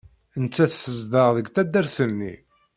Nettat tezdeɣ deg taddart-nni.